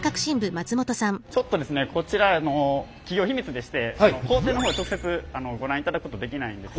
ちょっとですねこちら企業秘密でして工程の方は直接ご覧いただくことできないんですが。